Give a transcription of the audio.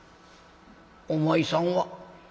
「お前さんは？」。